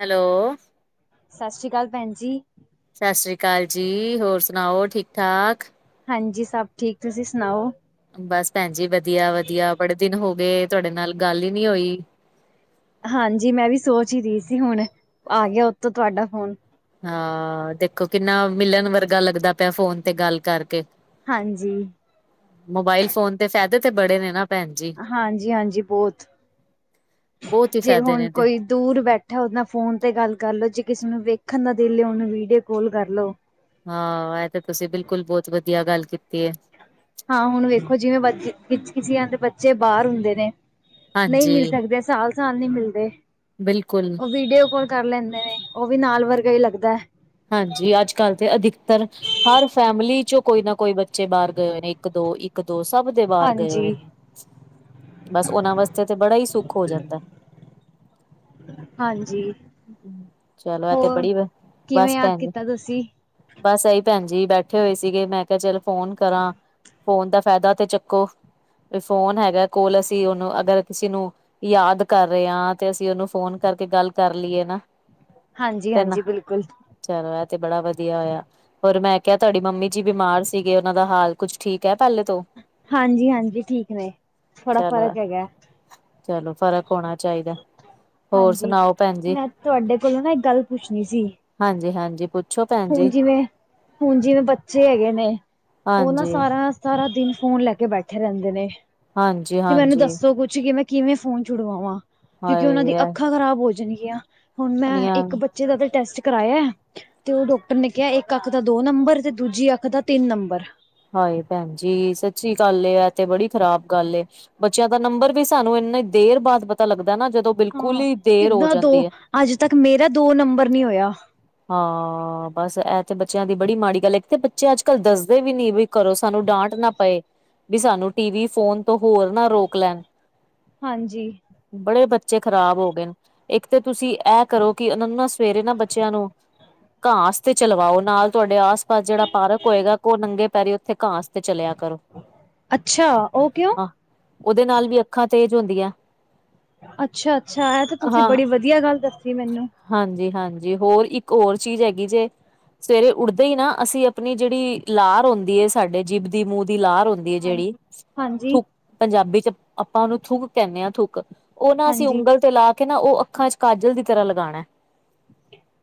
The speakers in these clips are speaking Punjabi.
ਹੈਲੋ। 'ਸਤਿ ਸ਼੍ਰੀ ਅਕਾਲ' ਭੈਣ ਜੀ। 'ਸਤਿ ਸ਼੍ਰੀ ਅਕਾਲ ਜੀ' ਹੋਰ ਸੁਣਾਓ! ਠੀਕ ਠਾਕ। ਹਾਂਜੀ ਸਭ ਠੀਕ, ਤੁਸੀਂ ਸੁਣਾਓ? ਬਸ ਭੈਣ ਜੀ ਵਧੀਆ, ਵਧੀਆ ਬੜੇ ਦਿਨ ਹੋ ਗਏ, ਤੁਹਾਡੇ ਨਾਲ ਗੱਲ ਹੀ ਨੀ ਹੋਈ। ਹਾਂਜੀ, ਮੈਂ ਵੀ ਸੋਚ ਹੀ ਰਹੀ ਸੀ ਹੁਣ, ਆ ਗਿਆ ਉੱਤੋਂ ਤੁਹਾਡਾ ਫੋਨ। ਹਾਂ ਦੇਖੋ, ਕਿੰਨਾ ਮਿਲਣ ਵਰਗਾ ਲੱਗਦਾ ਪਿਆ, ਫੋਨ ਤੇ ਗੱਲ ਕਰਕੇ। ਹਾਂਜੀ। ਮੋਬਾਇਲ ਫੋਨ ਦੇ ਫਾਇਦੇ ਤੇ ਬੜੇ ਨੇ ਨਾ। ਭੈਣ ਜੀ। ਹਾਂਜੀ, ਹਾਂਜੀ ਬਹੁਤ ਬਹੁਤ ਹੀ ਜੇ ਫਾਇਦੇ ਹੁਣ ਨੇ ਤੇ ਕੋਈ ਦੂਰ ਬੈਠਾ ਉਹਦੇ ਨਾਲ ਫੋਨ ਤੇ ਗੱਲ ਕਰ ਲਉ, ਜੇ ਕਿਸੇ ਨੂੰ ਵੇਖਣ ਨਾ ਦਿਲ ਏ ਉਹਨੂੰ ਵੀਡੀਓ ਕਾਲ ਕਰ ਲਉ। ਹਾਂ, ਇਹ ਤਾਂ ਤੁਸੀਂ ਬਿਲਕੁਲ ਬਹੁਤ ਵਧੀਆ ਗੱਲ ਕੀਤੀ ਏ। ਹਾਂ, ਹੁਣ ਵੇਖੋ ਜਿਵੇਂ ਬੱਚੇ ਵਿੱਚ ਕਿਸੀ ਆ ਬੱਚੇ ਬਾਹਰ ਹੁੰਦੇ ਨੇ। ਨਹੀਂ ਹਾਂਜੀ ਮਿਲ ਸਕਦੇ, ਸਾਲ- ਸਾਲ ਨਹੀਂ ਮਿਲਦੇ। ਬਿਲਕੁਲ। ਉਹ ਵੀਡੀਓ ਕਾਲ ਕਰ ਲੈਂਦੇ ਨੇ, ਉਹ ਵੀ ਨਾਲ ਵਰਗਾ ਹੀ ਲੱਗਦੈ। ਹਾਂਜੀ, ਅੱਜ ਕੱਲ੍ਹ ਤੇ ਅਧਿਕਤਰ ਹਰ ਫੈਮਿਲੀ ਚੋਂ ਕੋਈ ਨਾ ਕੋਈ ਬੱਚ ਬੱਚੇ ਬਾਹਰ ਗਏ ਹੋਏ ਨੇ ਇੱਕ ਦੋ, ਇੱਕ ਦੋ ਸਭ ਦੇ ਬਾਹਰ ਗਏ ਹੋਏ ਹਾਂਜੀ ਨੇ। ਬਸ ਉਹਨਾਂ ਵਾਸਤੇ ਤੇ ਬੜਾ ਹੀ ਸੁੱਖ ਹੋ ਜਾਂਦੈ। ਹਾਂਜੀ ਚਲੋ ਐ ਤੇ ਹੋਰ ਬੜੀ, ਕਿਵੇਂ ਬਸ ਯਾਦ ਭੈਣ ਜ ਕੀਤਾ ਤੁਸੀਂ ਬਸ ਇਹੀ ਭੈਣ ਜੀ ਬੈਠੇ ਹੋਏ ਸੀਗੇ ਮੈਂ ਕਿਹਾ ਚਲ ਫੋਨ ਕਰਾਂ। ਫੋਨ ਦਾ ਫਾਇਦਾ ਤੇ ਚੱਕੋ, ਵੀ ਫੋਨ ਹੈਗਾ ਕੋਲ ਅਸੀਂ ਉਹਨੂੰ ਅਗਰ ਕਿਸੇ ਨੂੰ। ਯਾਦ ਕਰ ਰਹੇ ਹਾਂ, ਤੇ ਅਸੀਂ ਉਹਨੂੰ ਫੋਨ ਕਰਕੇ ਗੱਲ ਕਰ ਲਈਏ ਨਾ। ਹਾਂਜੀ ਤੇ ਨਾ ਹਾਂਜੀ ਬਿਲਕੁਲ। ਚਲੋ ਇਹ ਤੇ ਬੜਾ ਵਧੀਆ ਹੋਇਆ। ਹੋਰ ਮੈਂ ਕਿਹਾ ਤੁਹਾਡੀ ਮੰਮੀ ਜੀ ਬਿਮਾਰ ਸੀਗੇ, ਉਹਨਾਂ ਦਾ ਹਾਲ ਕੁੱਝ ਠੀਕ ਹੈ, ਪਹਿਲੇ ਤੋਂ। ਹਾਂਜੀ ਹਾਂਜੀ ਠੀਕ ਨੇ ਥੋੜਾ ਚਲੋ ਫ਼ਰਕ ਹੈਗਾ। ਚਲੋ ਫ਼ਰਕ ਹੋਣਾ ਚਾਹੀਦਾ। ਹੋਰ ਹਾਂਜੀ, ਸੁਣਾਓ ਭੈਣ ਜੀ ਮੈਂ ਤੁਹਾਡੇ ਕੋਲੋਂ ਨਾ ਇੱਕ ਗੱਲ ਪੁੱਛਣੀ ਸੀ। ਹਾਂਜੀ ਹਾਂਜੀ ਪੁੱਛੁ। ਹੁਣ ਜਿਵੇਂ ਹੁਣ ਜਿਵੇਂ ਬੱਚੇ ਹੈਗੇ ਨੇ ਉਹ ਨਾਂ ਹਾਂਜੀ ਸਾਰਾ ਦਿਨ। ਸਾਰਾ ਦਿਨ ਫੋਨ ਲੈ ਕੇ ਬੈਠੇ ਰਹਿੰਦੇ, ਨੇ ਹਾਂਜੀ ਤੇ ਮੈਨੂੰ ਹਾਂਜੀ ਦੱਸੋ ਕੁੱਛ ਕਿਵੇਂ। ਕਿਵੇਂ ਫੋਨ ਛੁਡਵਾਂ, ਕਿਉਂਕਿ ਉਹਨਾਂ ਦੀ ਹਾਏ ਅੱਖਾਂ ਖਰਾਬ ਹੋ ਜਾਣਗੀਆਂ ਹੁਣ ਮੈਂ ਇੱਕ ਬੱਚੇ। ਜਿਹਦਾ ਤਾ ਟੈਸਟ ਕਰਵਾਇਆ। ਤੇ ਉਹ ਡਾਕਟਰ ਨੇ ਕਿਹਾ ਇੱਕ ਅੱਖ ਦਾ ਦੋ ਨੰਬਰ ਤੇ ਦੂਜੀ ਅੱਖ ਦਾ ਤਿੰਨ ਨੰਬਰ। ਹਾਏ ਭੈਣ ਜੀ ਸੱਚੀ ਗੱਲ ਤੇ ਬੜੀ ਖ਼ਰਾਬ ਗੱਲ ਏ। ਬੱਚਿਆਂ ਦਾ ਨੰਬਰ ਵੀ ਸਾਨੂੰ ਇੰਨੀ ਦੇਰ ਬਾਅਦ ਪਤਾ ਲੱਗਦਾ ਨਾ ਜਦੋਂ। ਬਿਲਕੁਲ ਹਾਂ ਈ ਦੇਰ ਹੋ ਕਿੱਦਾਂ ਦੋ ਜਾਂਦੀ ਐ। ਅੱਜ ਤੱਕ ਮੇਰਾ ਦੋ ਨੰਬਰ ਨੀ ਹੋਇਆ। ਹਾਂ ਬਸ ਇਹ ਤੇ ਬੱਚਿਆਂ ਦੀ ਬੜੀ ਮਾੜੀ ਗੱਲ ਹੈ, ਕਿਥ ਬੱਚੇ ਅੱਜ ਕੱਲ੍ਹ ਦੱਸਦੇ ਵੀ ਨੀ ਵੀ। ਕਰੋ ਸਾਨੂੰ ਡਾਂਟ ਨਾ ਪਏ ਵੀ ਸਾਨੂੰ ਟੀ ਵੀ ਫੋਨ ਤੋਂ ਹੋਰ ਨਾ ਰੋਕ ਲੈਣ। ਹਾਂਜੀ। ਬੜੇ ਬੱਚੇ ਖ਼ਰਾਬ ਹੋ ਗਏ, ਨੇ ਇੱਕ ਤਾਂ ਤੁਸੀਂ ਇਹ ਕਰੋ ਕਿ ਉਹਨਾਂ ਨੂੰ ਨਾ ਸਵੇਰੇ ਨਾ ਬੱਚਿਆਂ ਨੂੰ। ਘਾਸ ਤੇ ਚਲਵਾਓ ਨਾਲ ਤੁਹਾਡੇ ਆਸ ਪਾਸ। ਬਸ ਜਿਹੜਾ ਪਾਰਕ ਹੋਏਗਾ, ਕਹੋ ਉਹ ਨੰਗੇ ਪੈਰੀ ਉੱਥੇ ਘਾਸ ਤੇ ਚਲਿਆ ਕਰੋ। ਅੱਛਾ ਉਹ ਕਿਉਂ? ਹਾਂ ਉਹਦੇ ਨਾਲ ਵੀ ਅੱਖਾਂ ਤੇਜ਼ ਹੁੰਦੀਆਂ। ਅੱਛਾ ਅੱਛਾ ਇਹ ਤੇ ਤੁਸੀਂ ਬੜੀ ਵਧੀਆ ਗੱਲ ਦੱਸੀ ਮੈਨੂੰ। ਹਾਂਜੀ ਹਾਂਜੀ ਹੋਰ ਇੱਕ ਹੋਰ ਚੀਜ਼ ਹੈਗੀ ਜੇ। ਸਵੇਰੇ ਉੱਠਦੇ ਹੀ ਨਾ ਅਸੀਂ ਆਪਣੀ ਜਿਹੜੀ ਲਾਰ ਹੁੰਦੀ ਹੈ, ਸਾਡੇ ਜੀਬ ਦੀ ਮੂੰਹ ਦੀ ਲਾਰ ਹੁੰਦੀ ਆ। ਜਿਹੜੀ ਹਾਂਜੀ। ਥੁਕ ਹਾਂਜੀ-ਹਾਂਜੀ, ਪੰਜਾਬੀ ਚ ਆਪਾਂ ਉਹਨੂੰ ਥੁੱਕ ਕਹਿੰਦੇ ਹਾਂ ਥੁੱਕ। ਉਹ ਨਾ ਅਸੀਂ ਉਂਗਲ ਤੇ ਲਾ ਕੇ ਨਾ ਉਹ ਅੱਖਾਂ ਚ ਕਾਜਲ ਦੀ ਤਰ੍ਹਾਂ ਲਗਾਣਾ ਐ।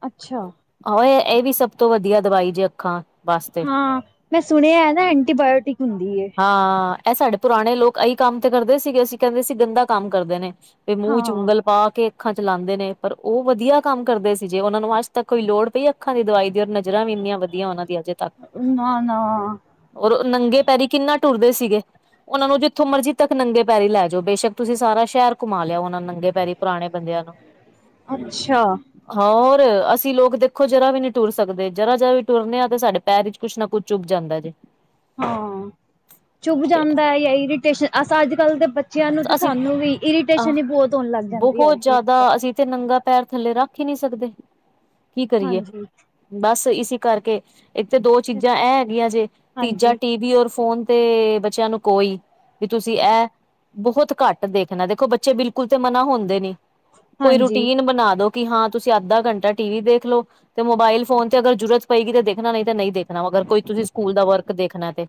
ਅੱਛਾ। ਆਹੋ ਇਹ ਇਹ ਵੀ ਸਭ ਤੋਂ ਵਧੀਆ ਦਵਾਈ ਜੇ ਅੱਖਾਂ ਦੀ। ਹਾਂ ਮੈਂ ਸੁਣਿਆ ਨਾ ਐਂਟੀਬਾਇਓਟਿਕ ਹੁੰਦੀ ਏ। ਹਾਂ ਇਹ ਸਾਡੇ ਪੁਰਾਣੇ ਲੋਕ ਇਹੀ ਕੰਮ ਤੇ ਕਰਦੇ ਸੀਗੇ, ਅਸੀਂ ਕਹਿੰਦੇ ਸੀ ਗੰਦਾ ਕੰਮ ਕਰਦੇ ਨੇ। ਤੇ ਮੂੰਹ ਚ ਹਾਂ, ਉਂਗਲ ਪਾ ਕੇ। ਅੱਖਾਂ ਚ ਲਾਉਂਦੇ ਨੇ ਪਰ ਉਹ ਵਧੀਆ ਕੰਮ ਕਰਦੇ ਸੀ, ਜੇ ਉਹਨਾਂ ਨੂੰ ਅੱਜ ਤੱਕ ਕੋਈ ਲੋੜ ਪਈ ਅੱਖਾਂ ਦੀ ਦਵਾਈ ਦੀ ਉਹ ਨੂੰ। ਨਜਰਾਂ ਵੀ ਇੰਨੀਆਂ ਵਧੀਆ ਉਹਨਾਂ ਦੀ ਅਜੇ ਤੱਕ ਨਾ-ਨਾ, ਉਦੋਂ ਨੰਗੇ ਪੈਰ। ਪੈਰੀ ਕਿੰਨਾ ਟੁਰਦੇ ਸੀਗੇ। ਉਹਨਾਂ ਨੂੰ ਜਿੱਥੋਂ ਮਰਜ਼ੀ ਤੱਕ ਨੰਗੇ ਪੈਰੀ ਲੈ ਜਾਓ, ਬੇਸ਼ੱਕ ਤੁਸੀਂ ਸਾਰਾ ਸ਼ਹਿਰ ਘੁਮਾ ਲਿਆ ਉਹਨਾਂ ਨੂੰ। ਨੰਗੇ ਪੈਰੀ ਪੁਰਾਣੇ ਬੰਦਿਆਂ ਨੂੰ। ਅੱਛਾ, ਹਾਂ ਹੋਰ ਅਸੀਂ ਲੋਕ ਦੇਖੋ ਜਰਾ ਵੀ ਨਹੀਂ, ਟੁਰ ਸਕਦੇ ਜਰਾ ਜਰਾ ਵੀ ਟੁਰਨੇ ਹਾਂ ਤੇ ਸਾਡੇ ਪੈਰ ਵਿੱਚ। ਕੁਛ ਨਾ ਕੁੱਛ ਚੁੱਭ ਜਾਂਦਾ ਜੇ। ਹਾਂ ਚੁੱਭ ਤੇ ਜਾਂਦਾ ਜਾਂ ਇਰੀਟੇਸ਼ਨ ਅੱਜ ਕੱਲ ਦੇ ਬੱਚੇ। ਬੱਚਿਆਂ ਨੂੰ ਤੇ ਅਸੀਂ ਸਾਨੂੰ ਵੀ ਆਹ ਇਰੀਟੇਸ਼ਨ ਹੀ ਬਹੁਤ ਹੋਣ ਲੱਗ ਜਾਂਦੀ ਬਹੁਤ ਹਰ ਚੀਜ਼ ਜ਼ਿਆਦਾ ਤੋਂ। ਅਸੀਂ ਤੇ ਨੰਗਾ ਪੈਰ ਥੱਲੇ ਰੱਖ ਹੀ ਨਹੀ ਸਕਦੇ ਕੀ ਕਰੀਏ? ਹਾਂਜੀ। ਬਸ ਇਸ ਕਰਕੇ ਇੱਕ ਤਾਂ ਦੋ ਚੀਜ਼ਾਂ ਐ ਹੈਗੀਆਂ ਜੇ ਤੀਜਾ ਟੀ ਵੀ ਔਰ ਫੋਨ। ਤੇ ਬੱਚਿਆਂ ਨੂੰ ਕੋਈ ਵੀ ਤੁਸੀਂ ਇਹ। ਬਹੁਤ ਘੱਟ ਦੇਖਣਾ, ਬੱਚੇ ਬਿਲਕੁਲ ਤੇ ਮਨਾ ਹੁੰਦੇ ਨੀ ਕੋਈ ਹਾਂਜੀ-ਹਾਂਜੀ, ਰੂਟੀਨ ਬਣਾ ਦੋ। ਕਿ ਹਾਂ ਤੁਸੀਂ ਅੱਧਾ ਘੰਟਾ ਟੀ ਵੀ ਦੇਖ ਲੋ। ਤੇ ਮੋਬਾਇਲ ਫੋਨ ਤੇ ਅਗਰ ਜਰੂਰਤ ਪਏਗੀ ਤੇ ਦੇਖਣਾ ਨਹੀਂ ਤੇ ਨਹੀਂ ਦੇਖਣਾ ਅਗਰ ਕੋਈ। ਤੁਸੀਂ ਸਕੂਲ ਦਾ ਵਰਕ ਦੇਖਣਾ ਤੇ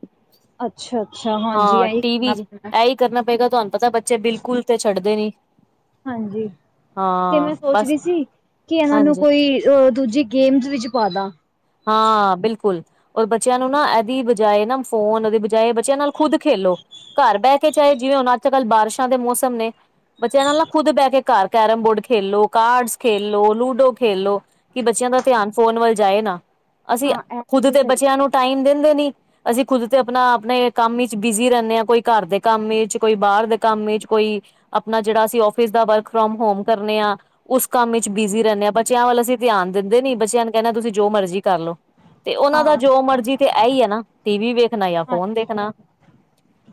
ਅੱਛਾ-ਅੱਛਾ, ਹਾਂਜੀ ਹਾਂ ਐਈ ਟੀਵੀ ਕਰਨਾ ਚ ਪੈਂਦਾ। ਇਹੀ ਕਰਨਾ ਪਏਗਾ ਤੁਹਾਨੂੰ ਪਤਾ ਬੱਚੇ ਬਿਲਕੁਲ ਤੇ ਛੱਡਦੇ ਨੀ ਹਾਂਜੀ ਤੇ ਹਾਂ ਮੈਂ ਸੋਚ ਬਸ ਰੀ ਸੀ ਕਿ ਇਹਨਾਂ ਹਾਂਜੀ ਨੂੰ ਕੋਈ ਅਹ ਦੂਜੀ ਗੇਮਸ ਵਿੱਚ ਪਾ ਦਾਂ। ਹਾਂ, ਬਿਲਕੁਲ। ਰ ਬੱਚਿਆਂ ਨੂੰ ਨਾ ਇਹਦੀ ਬਜਾਏ ਨਾ ਫੋਨ ਉਹਦੀ ਬਜਾਏ ਬੱਚਿਆਂ ਨਾਲ ਖੁਦ ਖੇਲੋ। ਘਰ ਬਹਿ ਕੇ ਚਾਹੇ ਜਿਵੇਂ ਹੁਣ ਅੱਜ ਕੱਲ੍ਹ ਬਾਰਿਸ਼ਾਂ ਦੇ ਮੌਸਮ ਨੇ। ਬੱਚਿਆਂ ਇਹ ਨਾਲ ਨਾਲ ਖੁਦ ਬਹਿ ਕੇ ਘਰ ਕੈਰਮ ਬੋਰਡ ਖੇਲੋ ਕਾਰਡਸ ਖੇਲੋ ਲੂਡੋ ਖੇਲੋ। ਕਿ ਬੱਚਿਆਂ ਦਾ ਧਿਆਨ ਫੋਨ ਵੱਲ ਜਾਏ ਨਾ ਅਸੀਂ ਹਾਂ ਇਹ ਖੁਦ ਤੁਸੀਂ ਤੇ ਸਹੀ ਬੱਚਿਆਂ ਕਰ ਨੂੰ ਟਾਈਮ ਦਿੰਦੇ ਨੀ। ਅਸੀਂ ਖੁਦ ਤੇ ਆਪਣਾ ਆਪਣੇ ਕੰਮ ਵਿਚ ਬਿਜੀ ਰਹਿੰਦੇ ਹਾਂ ਕੋਈ ਘਰ ਦੇ ਕੰਮ ਵਿਚ ਕੋਈ ਬਾਹਰ ਦੇ ਕੰਮ ਵਿਚ ਕੋਈ ਆਪਣਾ ਜਿਹੜਾ ਅਸੀਂ ਔਫਿਸ ਦਾ ਵਰਕ ਫਰੋਮ ਹੋਮ ਕਰਨੇ ਆ। ਉਸ ਕੰਮ ਵਿਚ ਬਿਜ਼ੀ ਰਹਿੰਦੇ ਆ ਬੱਚਿਆਂ ਵੱਲ ਅਸੀਂ ਧਿਆਨ ਦਿੰਦੇ ਨੀ ਬੱਚਿਆਂ ਨੂੰ ਕਹਿੰਦੇ ਆ ਤੁਸੀਂ ਜੋ ਮਰਜ਼ੀ ਕਰ ਲਓ। ਤੇ ਉਹਨਾਂ ਦਾ ਜੋ ਹਾਂ। ਮਰਜੀ ਤੇ ਇਹੀ ਹੈ ਨਾ ਟੀ ਵੀ ਵੇਖਣਾ ਜਾਂ ਫੋਨ ਦੇਖਣਾ।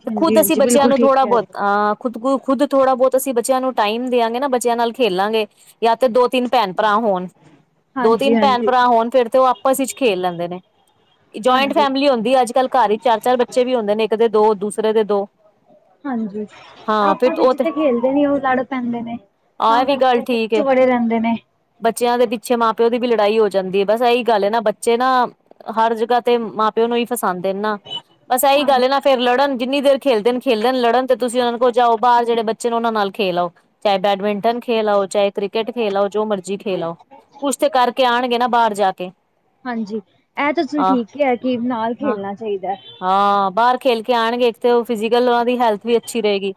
ਤੇ ਹਾਂਜੀ ਖੁੱਦ ਅਸੀਂ ਹਾਂਜੀ ਬੱਚਿਆਂ ਬਿਲਕੁਲ ਨੂੰ ਠੀਕ ਥੋੜ੍ਹਾ ਕਹਿ ਬਹੁਤ ਰਹੇ ਅਹ ਖੁਦ ਖੁਦ ਥੋੜਾ ਬਹੁਤ ਅਸੀ ਬੱਚਿਆਂ ਨੂੰ ਟਾਈਮ ਦਿਆਂਗੇ ਨਾ ਬੱਚਿਆਂ ਨਾਲ ਖੇਲਾਂਗੇ। ਜਾਂ ਤੇ ਦੋ ਤਿੰਨ ਭੈਣ ਭਰਾ ਹੋਣ। ਦੋ ਹਾਂਜੀ ਤਿੰਨ ਭੈਣ ਹਾਂਜੀ। ਭਰਾ ਹੋਣ ਫਿਰ ਤੇ ਉਹ ਆਪਸ ਵਿੱਚ ਖੇਲ ਲੈਂਦੇ ਨੇ। ਜੁਆਇੰਟ ਹਾਂਜੀ। ਫੈਮਿਲੀ ਹੁੰਦੀ ਅੱਜ ਕੱਲ੍ਹ ਘਰ ਹੀ ਚਾਰ ਚਾਰ ਬੱਚੇ ਵੀ ਹੁੰਦੇ ਨੇ ਇੱਕ ਦੇ ਦੋ ਦੂਸਰੇ ਦੇ ਦੋ। ਹਾਂਜੀ ਆਪਸ ਵਿੱਚ ਤੇ ਉਹ ਖੇਲਦੇ ਨੀ ਉਹ ਲੜ ਪੈਂਦੇ ਨੇ ਤਾਂ ਆਹ ਵੀ ਗੱਲ ਕਰਕੇ ਠੀਕ ਏ ਚਿਮੜੇ ਰਹਿੰਦੇ ਨੇ। ਬੱਚਿਆਂ ਦੇ ਪਿੱਛੇ ਮਾਂ ਪਿਓ ਦੀ ਵੀ ਲੜਾਈ ਹੋ ਜਾਂਦੀ ਹੈ ਬਸ ਇਹੀ ਗੱਲ ਹੈ ਨਾ ਬੱਚੇ ਨਾ ਹਰ ਜਗ੍ਹਾ ਤੇ ਮਾਂ ਪਿਓ ਨੂੰ ਹੀ ਫਸਾਉਂਦੇ ਨਾ ਬਸ ਇਹੀ ਹਾਂਜੀ। ਗੱਲ ਏ ਨਾ ਫੇਰ ਲੜਨ ਜਿੰਨੀ ਦੇਰ ਖੇਲਦੇ ਨੇ ਖੇਲਣ ਲੜਨ ਤੇ ਤੁਸੀਂ ਉਹਨਾਂ ਨੂੰ ਕਹੋ ਬਾਹਰ ਜਿਹੜੇ ਬੱਚੇ ਨੇ ਉਹਨਾਂ ਨਾਲ ਖੇਲ ਆਓ। ਚਾਹੇ ਬੈਡਮਿੰਟਨ ਖੇਲ ਆਓ ਚਾਹੇ ਕ੍ਰਿਕਟ ਖੇਲ ਆਓ ਜੋ ਮਰਜੀ ਖੇਲ ਆਓ। ਕੁਛ ਤੇ ਕਰਕੇ ਆਉਣਗੇ ਨਾ ਬਾਹਰ ਜਾ ਕੇ ਹਾਂਜੀ ਇਹ ਤਾਂ ਤੁਸੀ ਆਹ ਠੀਕ ਕਿਹਾ ਕਿ ਨਾਲ ਹਾਂ ਖੇਲਣਾ ਚਾਹੀਦਾ। ਹਾਂ ਬਾਹਰ ਖੇਲ ਕੇ ਆਉਣਗੇ ਤੇ ਇੱਕ ਤੇ ਫਿਜ਼ਕਲ ਉਹਨਾਂ ਦੀ ਹੈਲਥ ਵੀ ਅੱਛੀ ਰਹੇਗੀ।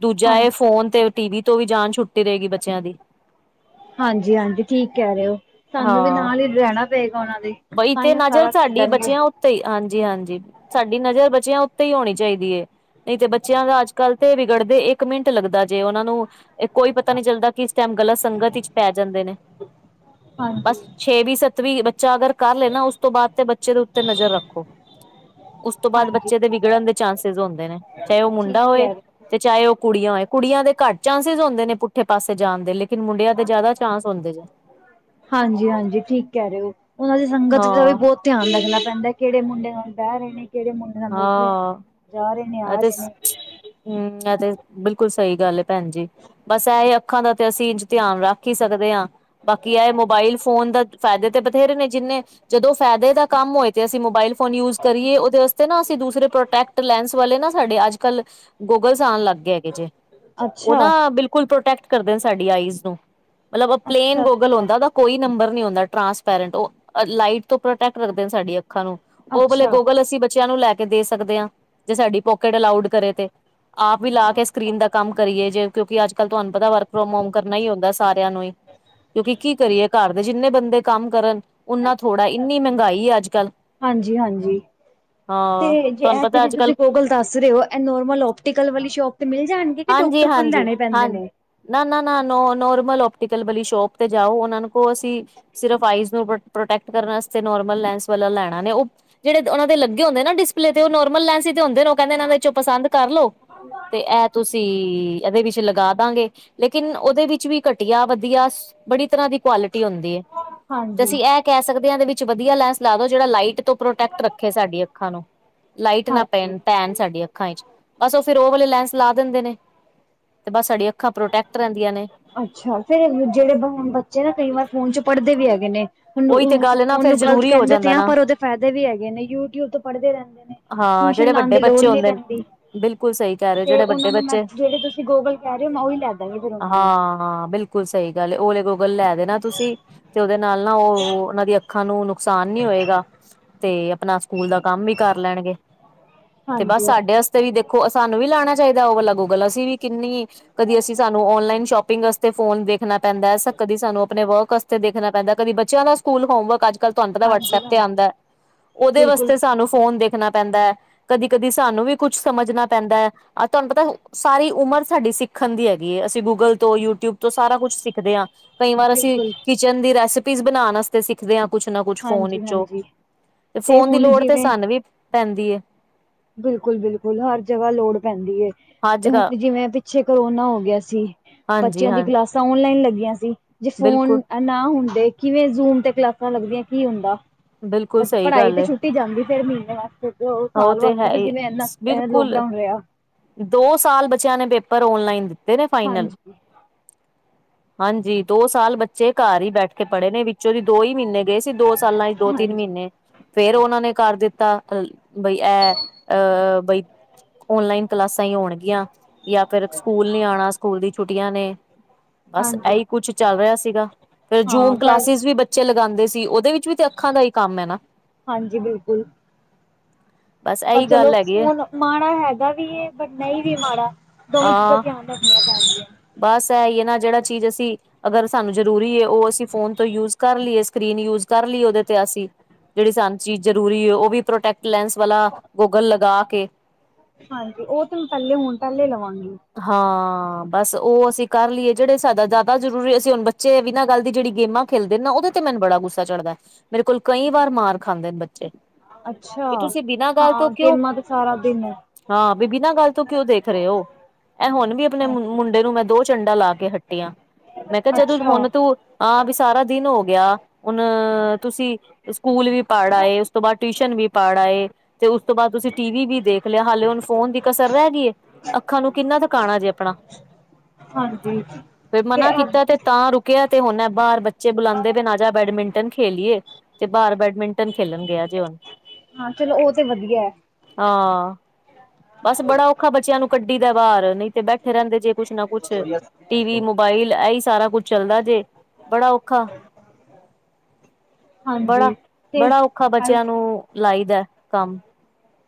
ਦੂਜਾ ਹਾਂ। ਇਹ ਫੋਨ ਤੇ ਟੀ ਵੀ ਤੋਂ ਵੀ ਜਾਨ ਛੁੱਟੀ ਰਹੇਗੀ ਬੱਚਿਆਂ ਦੀ। ਹਾਂਜੀ, ਹਾਂਜੀ ਠੀਕ ਕਹਿ ਰਹੇ ਹੋ ਸਾਨੂੰ ਵੀ ਹਾਂ ਨਾਲ ਹੀ ਰਹਿਣਾ। ਪਏਗਾ ਉਹਨਾਂ ਦੇ ਬਈ ਤਾਂਹੀ ਉਹ ਸਾਰਾ ਛੱਡਣਗੇ। ਤੇ ਹਾਂਜੀ ਹਾਂਜੀ ਸਾਡੀ ਨਜ਼ਰ ਬਚਿਆਂ ਉੱਤੇ ਹੀ ਹੋਣੀ ਚਾਹੀਦੀ ਏ। ਨਹੀਂ ਤੇ ਬੱਚਿਆਂ ਦਾ ਅੱਜ ਕੱਲ੍ਹ ਤੇ ਵਿਗੜਦੇ ਇੱਕ ਮਿੰਟ ਲੱਗਦਾ ਜੇ ਉਹਨਾਂ ਨੂੰ ਇਹ ਕੋਈ ਪਤਾ ਨਹੀਂ ਚੱਲਦਾ ਕਿ ਇਸ ਟਾਈਮ ਗਲਤ ਸੰਗਤ ਵਿੱਚ ਪੈ ਜਾਂਦੇ ਨੇ ਬਸ ਹਾਂਜੀ। ਛੇਵੀਂ ਸੱਤਵੀਂ ਬੱਚਾ ਅਗਰ ਕਰ ਲੇ ਨਾ ਉਸ ਤੋਂ ਬਾਅਦ ਤੇ ਬੱਚੇ ਦੇ ਉੱਤੇ ਨਜ਼ਰ ਰੱਖੋ। ਉਸ ਤੋਂ ਬਾਅਦ ਹਾਂਜੀ ਬੱਚੇ ਦੇ ਵਿਗੜਨ ਦੇ ਚਾਂਸਿਸ ਹੁੰਦੇ ਨੇ ਚਾਹੇ ਉਹ ਠੀਕ ਮੁੰਡਾ ਹੋਏ ਕਹਿ ਰਹੇ ਤੇ ਚਾਹੇ ਉਹ ਕੁੜੀਆਂ ਹੋਏ ਕੁੜੀਆਂ ਦੇ ਘੱਟ ਚਾਂਸਿਸ ਹੁੰਦੇ ਨੇ ਪੁੱਠੇ ਪਾਸੇ ਜਾਣ ਦੇ ਲੇਕਿਨ ਮੁੰਡਿਆਂ ਦੇ ਜ਼ਿਆਦਾ ਚਾਂਸ ਹੁੰਦੇ ਜੇ। ਹਾਂਜੀ, ਹਾਂਜੀ ਠੀਕ ਕਹਿ ਰਹੇ ਹੋ ਉਹਨਾਂ ਦੀ ਸੰਗਤ ਦਾ ਵੀ ਬਹੁਤ ਧਿਆਨ ਰਖਣਾ ਪੈਂਦਾ ਕਿਹੜੇ ਮੁੰਡੇ ਨਾਲ ਬਹਿ ਰਹੇ ਨੇ ਕਿਹੜੇ ਮੁੰਡੇ ਨਾਲ ਉੱਠ ਰਹੇ ਨੇ ਹਾਂ-ਹਾਂ ਜਾ ਰਹੇ ਨੇ ਇਹ ਆ ਤੇ ਰਹੇ ਨੇ। ਹਮ ਇਹ ਤੇ ਬਿਲਕੁਲ ਸਹੀ ਗੱਲ ਹੈ ਭੈਣ ਜੀ ਬਸ ਇਹ ਅੱਖਾਂ ਦਾ ਤੇ ਅਸੀਂ ਧਿਆਨ ਰੱਖ ਹੀ ਸਕਦੇ ਹਾਂ ਬਾਕੀ ਇਹ ਮੋਬਾਇਲ ਫੋਨ ਦਾ ਫਾਇਦੇ ਤੇ ਬਥੇਰੇ ਨੇ ਜਿੰਨੇ ਜਦੋਂ ਫਾਇਦੇ ਦਾ ਕੰਮ ਹੋਏ ਤੇ ਅਸੀਂ ਮੋਬਾਇਲ ਫੋਨ ਯੂਜ ਕਰੀਏ ਉਹਦੇ ਤੇ ਨਾ ਅਸੀਂ ਦੂਸਰੇ ਪ੍ਰੋਟੈਕਟ ਲੈਂਸ ਵਾਲੇ ਨਾ ਸਾਡੇ ਅੱਜ ਕੱਲ ਗੂਗਲਸ ਆਉਣ ਲੱਗ ਗਏ। ਲੱਗ ਗਏ ਜੇ ਉਹ ਅੱਛਾ ਨਾ ਬਿਲਕੁਲ ਪ੍ਰੋਟੈਕਟ ਕਰਦੇ ਨੇ ਨਾ ਸਾਡੀ ਆਈਜ਼ ਨੂੰ। ਮਤਲਬ ਪਲੇਨ ਅੱਛਾ ਗੋਗਲ ਅੱਛਾ ਹੁੰਦਾ ਓਦਾ ਕੋਈ ਨੰਬਰ ਨੀ ਹੁੰਦਾ ਟ੍ਰਾਂਸਪੈਰੇਂਟ ਉਹ ਲਾਈਟ ਤੋਂ ਪ੍ਰੋਟੈਕਟ ਰੱਖਦੇ ਸਾਡੀ ਅੱਖਾਂ ਨੂੰ ਉਹ ਵਾਲੇ ਅੱਛਾ ਗੋਗਲ ਅਸੀਂ ਬੱਚਿਆਂ ਨੂੰ ਲੈ ਕੇ ਦੇ ਸਕਦੇ ਹਾਂ ਜੇ ਸਾਡੀ ਪੋਕਟ ਅਲਾਉਡ ਕਰੇ ਤੇ ਆਪ ਵੀ ਲਾ ਕੇ ਸਕਰੀਨ ਦਾ ਕੰਮ ਕਰੀਏ ਜੇ ਕਿਉਂਕਿ ਅੱਜ ਕੱਲ ਤੁਹਾਨੂੰ ਪਤਾ ਵਰਕ ਫਰੋਮ ਹੋਮ ਕਰਨਾ ਹੀ ਹੁੰਦਾ ਸਾਰਿਆਂ ਨੂੰ ਹੀ ਕਿਉਂਕਿ ਕੀ ਕਰੀਏ ਘਰ ਜਿੰਨੇ ਬੰਦੇ ਕੰਮ ਕਰਨ ਓਨਾ ਥੋੜ੍ਹਾ ਇੰਨੀ ਮਹਿੰਗਾਈ ਅੱਜ ਕੱਲ੍ਹ ਹਾਂਜੀ-ਹਾਂਜੀ! ਹਾਂ। ਤੇ ਜੇ ਤੁਹਾਨੂੰ ਇਹ ਪਤਾ ਜਿਹੜੀ ਅੱਜ ਕੱਲ੍ਹ ਤੁਸੀਂ ਕੋਗਲ ਦੱਸ ਰੇ ਓ ਇਹ ਨੋਰਮਲ ਓਪਟੀਕਲ ਵਾਲੀ ਸ਼ੋਪ ਤੇ ਮਿਲ ਜਾਣਗੇ ਕਿ ਹਾਂਜੀ ਡਾਕਟਰ ਕੋਲ ਹਾਂਜੀ ਲੈਣੇ ਹਾਂ ਪੈਂਦੇ ਨੇ ਨਾ ਨਾ ਨਾ ਨੋ ਨੋਰਮਲ ਓਪਟੀਕਲ ਵਾਲੀ ਸ਼ੋਪ ਤੇ ਜਾਓ ਉਹਨਾਂ ਨੂੰ ਉਹ ਅਸੀਂ ਸਿਰਫ਼ ਆਈਜ਼ ਨੂੰ ਪ੍ਰੋਟੈਕਟ ਕਰਨ ਵਸਤੇ ਨੋਰਮਲ ਲੈਂਸ ਵਾਲਾ ਲੈਣਾ ਨੇ ਉਹ ਜਿਹੜੇ ਉਹਨਾਂ ਦੇ ਲ ਹੁੰਦੇ ਨੇ ਡਿਸਪਲੇ ਤੇ ਉਹ ਨੋਰਮਲ ਲੈਂਸ ਈ ਤੇ ਹੁੰਦੇ ਕਹਿੰਦੇ ਇਹਨਾਂ ਦੇ 'ਚੋਂ ਪਸਦ ਕਰ ਲੋੋ ਤੇ ਐ ਤੁਸੀਂ ਇਹਦੇ ਵਿੱਚ ਲਗਾ ਦਾਂਗੇ। ਲੇਕਿਨ ਉਹਦੇ ਵਿੱਚ ਵੀ ਘਟੀਆ ਵਧੀਆ ਸ ਬੜੀ ਤਰ੍ਹਾਂ ਦੀ ਕੁਆਲਿਟੀ ਹੁੰਦੀ ਐ। ਹਾਂਜੀ [unintelligible] ਤੇ ਅਸੀਂ ਐ ਕਹਿ ਸਕਦੇ ਆਂ ਇਹਦੇ ਵਿੱਚ ਵਧੀਆ ਲੈਂਸ ਲਾ ਦੋ ਜਿਹੜਾ ਲਾਈਟ ਤੋਂ ਪ੍ਰੋਟੈਕਟ ਰੱਖੇ ਸਾਡੀ ਅੱਖਾਂ ਨੂੰ ਲਾਈਟ ਨਾ ਹਾਂਜੀ ਪੈਣ ਪੈਣ ਸਾਡੀ ਅੱਖਾਂ ਵਿੱਚ ਬਸ ਉਹ ਫ਼ਿਰ ਉਹ ਵਾਲੇ ਲੈਂਸ ਲਾ ਦਿੰਦੇ ਨੇ। ਤੇ ਬਸ ਸਾਡੀਆਂ ਅੱਖਾਂ ਪ੍ਰੋਟੈਕਟ ਰਹਿੰਦੀਆਂ ਨੇ। ਅੱਛਾ ਫ਼ੇਰ ਜਿਹੜੇ ਬੱਚੇ ਨਾ ਕਈ ਵਾਰ ਫ਼ੋਨ ਚ ਪੜ੍ਹਦੇ ਵੀ ਹੈਗੇ ਨੇ? ਉਹੀ ਤੇ ਗੱਲ ਨਾ ਫੇਰ ਓਹਨੂੰ ਗ਼ਲਤ ਜ਼ਰੂਰੀ ਹੋ ਕਹਿੰਦੇ ਤੇ ਜਾਂਦਾ ਆ ਨਾ ਪਰ ਉਹਦੇ ਫਾ਼ਇਦੇ ਵੀ ਹੈਗੇ ਨੇ ਯੂਟਿਊਬ ਤੋਂ ਪੜ੍ਹਦੇ ਰਹਿੰਦੇ ਨੇ। ਹਾਂ ਟਿਊਸ਼ਨ ਜਿਹੜੇ ਲਾਉਣ ਵੱਡੇ ਦੀ ਲੋੜ ਬੱਚੇ ਨੀ ਹੁੰਦੇ ਨੇ ਪੈਂਦੀ। ਬਿਲਕੁਲ ਸਹੀ ਕਹਿ ਰਹੇ ਹੋ ਤੇ ਜਿਹੜੇ ਉਹਨਾਂ ਵੱਡੇ ਨੂੰ ਮੈਂ ਬੱਚੇ ਜਿਹੜੇ ਤੁਸੀਂ ਗੋਗਲ ਕਹਿ ਰੇ ਓ ਮੈਂ ਉਹੀ ਲੈ ਦਾਂਗੀ ਫੇਰ ਉਹਨਾਂ ਨੂੰ। ਹਾਂ ਹਾਂ ਬਿਲਕੁਲ ਸਹੀ ਗੱਲ ਐ ਓਲੇ ਗੋਗਲ ਲੈ ਦੇਣਾ ਤੁਸੀਂ ਤੇ ਉਹਦੇ ਨਾਲ਼ ਨਾ ਉਹ ਉਹਨਾਂ ਦੀ ਅ ਅੱਖਾਂ ਨੂੰ ਨੁਕਸਾਨ ਨੀ ਹੋਏਗਾ ਤੇ ਆਪਣਾ ਸਕੂਲ ਦਾ ਕੰਮ ਵੀ ਕਰ ਲੈਣਗੇ। ਤੇ ਬਸ ਹਾਂਜੀ ਸਾਡੇ ਵਾਸਤੇ ਵੀ ਦੇਖੋ ਸਾਨੂੰ ਵੀ ਲਾਣਾ ਚਾਹੀਦਾ ਉਹ ਵਾਲਾ ਗੋਗਲ ਅਸੀਂ ਵੀ ਕਿੰਨੀ ਕਦੀ ਅਸੀਂ ਸਾਨੂੰ ਔਨਲਾਈਨ ਸ਼ੋਪਿੰਗ ਵਸਤੇ ਫੋ਼ਨ ਦੇਖ ਦੇਖਣਾ ਪੈਂਦਾ ਸ ਕਦੀ ਸਾਨੂੰ ਆਪਣੇ ਵਰਕ ਵਸਤੇ ਦੇਖਣਾ ਪੈਂਦਾ ਕਦੀ ਬੱਚਿਆਂ ਦਾ ਸਕੂਲ ਹੋਮਵਰਕ ਅੱਜ ਾਨ ਵਟਸਪ ਹਾਂਜੀ ਤੇ ਹਾਂਜੀ ਆਂਦਾ ਉਹਦੇ ਬਿਲਕੁਲ ਵਾਸਤੇ ਸਾਨੂੰ ਫੋਨ ਦੇਖਣਾ ਪੈਂਦੈ। ਕਦੀ-ਕਦੀ ਸਾਨੂੰ ਵੀ ਕੁੱਛ ਸਮਝਣਾ ਪੈਂਦੈ। ਆਹ ਤੁਹਾਨੂੰ ਪਤਾ ਸਾਰੀ ਉਮਰ ਸਾਡੀ ਸਿੱਖਣ ਦੀ ਹੈਗੀ ਐ ਅਸੀਂ ਗੂਗਲ ਤੋਂ ਯੂਟਿਊਬ ਤੋਂ ਸਾਰਾ ਕੁਛ ਸਿੱਖਦੇ ਆ। ਕਈ ਵਾਰ ਅਸੀਂ ਬਿਲਕੁਲ ਕਿਚਨ ਦੀ ਰੈਸਪੀਜ਼ ਬਣਾਨ ਵਸਤ ਤੇ ਸਿੱਖਦੇ ਆਂ ਕੁਛ ਨਾ ਕੁਛ ਫੋ਼ਨ ਹਾਂਜੀ ਵਿਚੋਂ ਹਾਂਜੀ ਤੇ ਫੋ਼ਨ ਦੀ ਲੋੜ ਤੇ ਸਾਨੂੰ ਵੀ ਪੈਂਦੀ ਐ। ਬਿਲਕੁਲ ਬਿਲਕੁਲ ਹਰ ਜਗ੍ਹਾ ਲੋੜ ਪੈਂਦੀ ਏ ਅੱਜ ਤੇ ਕ ਹੁਣ ਜਿਵੇਂ ਪਿੱਛੇ ਕਰੋਨਾ ਹੋ ਗਿਆ ਸੀ। ਹਾਂਜੀ ਬੱਚਿਆਂ ਦੀ ਹਾਂ ਕਲਾਸਾਂ ਓਨਲਾਈਨ ਲੱਗੀਆਂ ਸੀ। ਜੇ ਫੋ਼ਨ ਬਿਲਕੁਲ ਨਾ ਹੁੰਦੇ ਕਿਵੇਂ ਜ਼ੂਮ ਤੇ ਕਲਾਸਾਂ ਲੱਗਦੀਆਂ ਕੀ ਹੁੰਦਾ? ਬਿਲਕੁਲ ਸਹੀ ਪੜ੍ਹਾਈ ਗੱਲ ਤੇ ਹੈ ਛੁੱਟੀ ਜਾਂਦੀ ਫੇ਼ਰ ਮਹੀਨੇ ਵਾਸਤੇ ਤੇ ਉਹ ਸਾਲ਼ ਵਾ। ਤੇ ਹੈ ਹੀ ਜਿਵੇਂ ਇਨਾ ਬਿਲਕੁਲ ਲੋਕਡਾਊਨ ਰਿਆ। ਦੋ ਸਾਲ ਬੱਚਿਆਂ ਨੇ ਪੇਪਰ ਔਨਲਾਈਨ ਦਿੱਤੇ ਨੇ ਫਾਈਨਲ। ਹਾਂਜੀ ਦੋ ਸਾਲ ਬੱਚੇ ਘਰ ਈ ਬੈਠ ਕੇ ਪੜ੍ਹੇ ਨੇ ਵਿੱਚੋਂ ਦੀ ਦੋ ਈ ਮਹੀਨੇ ਗਏ ਸੀ ਦੋ ਸਾਲਾਂ 'ਚ ਦੋ-ਤਿੰਨ ਹਾਂਜੀ-ਹਾਂਜੀ-ਹਾਂਜੀ ਮਹੀਨੇ, ਫੇ਼ਰ ਉਹਨਾਂ ਨੇ ਕਰ ਦਿੱਤਾ ਲ ਬਈ ਐ ਅਹ ਬਈ ਓਨਲਾਈਨ ਕਲਾਸਾਂ ਈ ਹੋਣਗੀਆਂ ਯਾ ਫ਼ਿਰ ਸਕੂਲ ਨੀ ਆਣਾ ਸਕੂਲ ਦੀ ਛੁੱਟੀਆਂ ਨੇ। ਬਸ ਐਈ ਕੁਛ ਚੱਲ ਰਿਆ ਸੀਗਾ ਫਰ ਹਾਂ ਜੂਮ ਪਰ ਕਲਾਸਿਸ ਵੀ ਬ ਬੱਚੇ ਲਗਾਂਦੇ ਸੀ ਉਹਦੇ ਵਿੱਚ ਵੀ ਤੇ ਅੱਖਾਂ ਦਾ ਈ ਕੰਮ ਐ ਨਾ। ਹਾਂਜੀ ਬਿਲਕੁਲ। ਬਸ ਪਰ ਇਹੀ ਚਲੋ ਗੱਲ ਹੈਗੀ ਹੈ ਹੁਣ ਮਾੜਾ ਹੈਗਾ ਵੀ ਏ ਬ ਨਈਂ ਵੀ ਮਾੜਾ ਬਹੁਤ ਜਿੱਦਾਂ ਧਿਆਨ [unintelligible] [inaudible] ਬਾਸ ਐ ਈ ਐ ਨਾ ਜਿਹੜਾ ਚੀਜ਼ ਅਸੀਂ ਅਗਰ ਸਾਨੂੰ ਜਰੂਰੀ ਏ ਉਹ ਅਸੀਂ ਫੋ਼ਨ ਤੋਂ ਯੂਜ਼ ਕਰ ਲਈਏ ਸਕਰੀਨ ਯੂਜ਼ ਕਰ ਲਈਏ ਉਹਦੇ ਤੇ ਅਸੀਂ ਜਿਹੜੀ ਸਾਨੂੰ ਚੀਜ਼ ਜਰੂਰੀ ਐ ਉਹ ਵੀ ਪ੍ਰੋਟੈਕਟ ਲੈਂਸ ਵਾਲਾ ਗੋਗਲ ਲਗਾ ਕੇ ਹਾਂਜੀ, ਔ ਤੇ ਹੁ- ਪਹਿਲੇ ਹੁਨ ਪੈਲੇ ਲਵਾਂਗੀ। ਹਾਂ, ਬਸ ਉਹ ਅਸੀਂ ਕਰ ਲੀਏ ਜਿਹੜੇ ਸਾਦਾ ਜਾਦਾ ਜ਼ਰੂਰੀ ਅਸੀਂ ਹੁਣ ਬੱਚੇ ਵੀਨਾਂ ਗੱਲ ਦੀ ਜਿਹੜੀ ਗੇਮਾਂ ਖੇਲਦੇ ਨਾ ਉਹਦੇ ਤੇ ਮੈਨੂੰ ਬੜਾ ਗੁੱਸਾ ਚੜ੍ਹਦਾ। ਮੇਰੇ ਕੋਲ਼ ਕਈ ਵਾਰ ਮਾਰ ਖਾਂਦੇ ਨੇ ਬੱਚੇ। ਅੱਛਾ, ਵੀ ਤੁਸੀਂ ਬਿਨਾਂ ਗੱਲ ਤੋਂ ਹਾਂ ਕਿਉਂ ਗੇਮਾਂ ਤੇ ਸਾਰਾ ਦਿਨ ਹਾਂ, ਬਿ ਬਿਨਾਂ ਗੱਲ ਤੋਂ ਕਿਉਂ ਦੇਖ ਰਏ ਹੋ? ਐ ਹੁਣ ਵੀ ਆਪਣੇ ਮੁੰ ਮੁੰਡੇ ਨੂੰ ਮੈਂ ਦੋ ਚੰਡਾ ਲਾ ਕੇ ਹੱਟੀਆਂ। ਮੈਂ ਕਿਹਾ ਜਦੋਂ ਅੱਛਾ ਹੁਣ ਤੂੰ ਹਾਂ ਬੀ ਸਾਰਾ ਦਿਨ ਹੋ ਗਿਆ। ਹੁਣ ਤੁਸੀਂ ਸਕੂਲ ਵੀ ਪੜ ਆਏ, ਉਸ ਤੋਂ ਬਾਅਦ ਟਿਊਸ਼ਨ ਵੀ ਪੜ ਆਏ ਤੇ ਉਸ ਤੋਂ ਬਾਅਦ ਤੁਸੀਂ ਟੀ ਵੀ ਵੀ ਦੇਖ ਲਿਆ, ਹਾਲੇ ਹੁਣ ਫੋਨ ਦੀ ਕਸਰ ਰੈ ਗਈ ਏ। ਅੱਖਾਂ ਨੂੰ ਕਿੰਨਾ ਦੁਕਾਾਣਾ ਜੇ ਆਪਣਾ। ਹਾਂਜੀ ਫੇਰ ਮਨਾ ਕੀਤਾ ਤੇ ਤਾਂ ਰੁ ਕਿਆ ਤੇ ਹੁਣਾ ਐ ਬਾਰ ਬੱਚੇ ਬੁਲਾਂਦੇ ਬਏ ਨੇ ਆਜਾ ਬੈਡਮਿੰਟਨ ਖੇਲੀਏ। ਤੇ ਬਾਹਰ ਬੈਡਮਿੰ ਟਨ ਖੇਲਣ ਗਿਆ ਜੇ ਹੁਨ। ਹਾਂ ਚਲੋ ਉਹ ਤੇ ਵਧੀਆ ਹੈ ਹਾਂ, ਬਸ ਬੜਾ ਔਖਾ ਬੱਚਿਆਂ ਨੂੰ ਕੱਢੀ ਦਾ ਬਾਰ, ਨਹੀਂ ਤੇ ਬੈਠੇ ਰੈਂਦੇਂ ਜੇ ਕੁਛ ਨਾ ਕੁਛ, ਟੀਵੀ, ਮੋਬਾਈਲ ਐਈ ਸਾਰਾ ਕੁਛ ਚਲਦਾ ਜੇ, ਬੜਾ ਔਖਾ ਬੜਾ, ਹਾਂਜੀ ਤੇ ਬੜਾ ਔਖਾ ਬੱਚਿਆਂ ਨੂੰ ਲਾਈ ਦਾ ਕੰਮ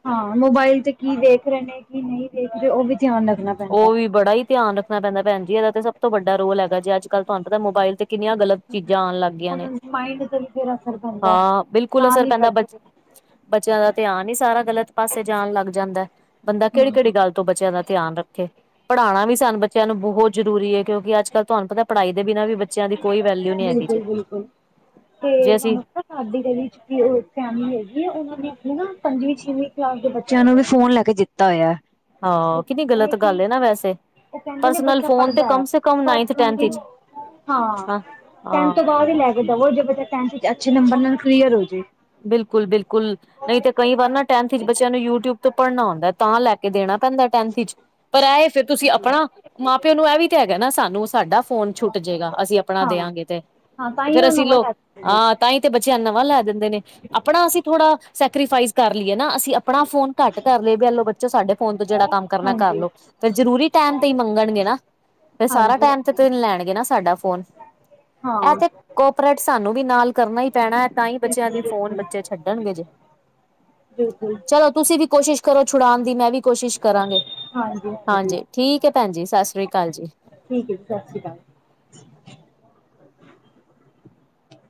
ਹਾਂ, ਮੋਬਾਇਲ ਤੇ ਕੀ ਦੇਖ ਰੈ ਨੇ, ਕੀ ਨਹੀਂ ਦੇਖ ਰੈ ਉਹ ਵੀ ਧਿਆਨ ਰੱਖਣਾ ਪੈਂਦਾ ਉ ਵੀ ਬੜਾ ਈ ਧਿਆਨ ਣਾ ਪੈਂਦਾ। ਭੈਣਜੀ ਇਹਦਾ ਤੇ ਸਭ ਤੋਂ ਵੱਡਾ ਰੋਲ ਹੈਗਾ, ਜੇ ਅੱਜ ਕੱਲ ਤਾਨੂੰ ਪਤਾ ਮੋਬਾਇਲ ਤੇ ਕਿਨਿਆਂ ਗਲਤ ਚੀਜ਼ਾਂ ਆਨ ਲੱਗ ਗੀਆਂ ਨੇ। ਹੁਣ ਮਾਇੰਡ ਤੇ ਵੀ ਫਿਰ ਅਸਰ ਪੈਂਦਾ ਹਾਂ ਬਿਲਕੁਲ ਨਾਲ ਅਸਰ ਹੀ ਪੈਂਦਾ ਬਚ ਕਰਕੇ ਬੱਚਿਆਂ ਦਾ ਧਿਆਨ ਈ ਸਾਰਾ ਗਲਤ ਪਾਸੇ ਜਾਣ ਲੱਗ ਜਾਂਦਾ। ਬੰਦਾ ਕਿਹੜੀ-ਕਿਹੜੀ ਹਮ ਗੱਲ ਤੋਂ ਬੱਚਿਆਂ ਦਾ ਧਿਆਨ ਰੱਖ ਖੇ ਪੜਾਣਾ ਵੀ ਸਨ ਬੱਚਿਆਂ ਨੂੰ ਬਹੁਤ ਜ਼ਰੂਰੀ ਏ, ਕਿਉਂਕਿ ਅੱਜ ਕੱਲ੍ਹ ਤੁਆਨੂੰ ਪਤਾ ਪੜ੍ਹਾਈ ਦੇ ਬਿਨਾਂ ਵੀ ਬ ਬਿਲਕੁਲ-ਬਿਲਕੁਲ ਤੇ ਜੇ [unintelligible] ਅਸੀਂ ਸਾਡੀ ਗਲੀ 'ਚ ਵੀ ਉਹ ਫੈਮਿਲੀ ਹੈਗੀ ਏ, ਉਹਨਾਂ ਨੇ ਆਪਣੇ ਨਾ ਪੰਜਵੀਂ-ਛੇਵੀਂ ਕਲਾਸ ਦੇ ਬੱਚਿਆਂ ਨੂੰ ਵੀ ਫੋਨ ਲੈ ਕੇ ਦਿੱ [unintelligible] ਹਾਂ, ਕਿਨੀ ਗਲਤ ਗੱਲ ਏ ਨਾ ਵੈਸੇ ਉਹ ਕਹਿੰਦੇ ਨੇ ਪਰਸਨਲ ਬੱਚਾ ਫੋਨ ਤੇ ਪੜ੍ਹਦਾ ਹੈ ਕਮ ਸੇ ਕਮ ਨਾਈੰਨਥ-ਟੈਥੰ ਪਰਸਨਲੀ ਇਚ। ਹਾਂ, ਟੈਂਥ ਤੋਂ ਬਾਅਦ ਹੀ ਲੈ ਕੇ ਦਵੋ ਜੇ ਬੱਚਾ ਟੈਂਥ 'ਚ ਅੱਛੇ ਨੰਬਰ ਨਾਲ ਕਲੀਅਰ ਹੋ ਜੇ। ਬਿਲਕੁਲ-ਬਿਲਕੁਲ। ਨਹੀਂ ਤੇ ਕਈ ਵਾਰ ਨਾ ਟੈਂਥ ਵਿਚ ਬੱਚਿਆਂ ਨੂੰ ਯੂਟਿਊਬ ਤੋਂ ਪੜ੍ਹਨਾ ਹੁੰਦਾ ਤਾਂ ਲੈ ਕੇ ਦੇਣਾ ਪੈਂਦਾ ਟੈਂਥ 'ਚ। ਪਰ ਐ ਫੇਰ ਤੁਸੀਂ ਆਪਣਾ, ਮਾਂ ਪਿਓ ਨੂੰ ਐ ਵੀ ਤੇ ਹੈਗਾ ਨਾ ਸਾਨੂੰ ਸਾਡਾ ਫੋਨ ਛੁੱਟ ਜੇਗਾ ਅਸੀਂ ਆਪਣਾ ਹਾਂ ਦਿਆਂਗੇ ਤੇ। ਹਾਂ ਤਾਂ ਤੇ ਹੀ ਫੇਰ ਉਹ ਅਸੀਂ ਨਵਾਂ ਲੋਗ ਲੈ ਸਕਦੇ ਨੇ ਆ ਤਾਂ ਹੀ ਤੇ ਬੱਚਿਆਂ ਨੁ ਨਵਾਂ ਲੈ ਦਿੰਦੇ ਨੇ। ਆਪਣਾ ਅਸੀਂ ਥੋੜਾ, ਸੈਕਰੀਫਾਈਸ ਕਰ ਲਈਏ ਨਾ ਅਸੀਂ ਅਪ ਆਪਣਾ ਫੋਨ ਘੱਟ ਧਰ ਲੇ, ਵੀ ਐਲੋ ਬੱਚੋ ਸਾਡੇ ਫੋਨ ਤੋਂ ਜਿਹੜਾ ਕੰਮ ਕਰਨਾ ਕਰਲ ਹਾਂਜੀ ਲੋ। ਫਿਰ ਜਰੂਰੀ ਟੈਮ ਤੇ ਹੀ ਮੰਗਣਗੇ ਨਾ, ਫਿਰ ਸਾਰਾ ਹਾਂਜੀ ਟਾਈਮ ਤੇ ਤੇ ਨਿ ਲੈਣਗੇ ਨਾ ਸਾਡਾ ਫੋਨ। ਹਾਂ ਐ ਤੇ ਕੋਪਰੇਟ ਸਾਨੂੰ ਵੀ ਨਾਲ ਕਰਨਾ ਈ ਪੈਣਾ। ਤਾਂਈ ਬੱਚਿਆਂ ਬਿਲਕੁਲ ਦੀ ਫੋਨ, ਬਿਲਕੁਲ ਬੱਚੇ ਛੱਡਣਗੇ ਜੇ। ਬਿਲਕੁਲ ਚਲੋ, ਤੁਸੀਂ ਵੀ ਕੋਸ਼ਿਸ਼ ਕਰੋ ਛੁਣਾਨ ਦੀ, ਮੈਂ ਵੀ ਕੋਸ਼ਿਸ਼ ਕਰਾਂਗੇ। ਹਾਂਜੀ ਠੀਕ ਏ ਪੈਂਨ ਜੀ, ਸਤਿ ਸ੍ਰੀ ਅਕਾਲ ਜੀ। ਠੀਕ ਏ ਜੀ ਸਤਿ ਸ਼੍ਰੀ ਅਕਾਲ।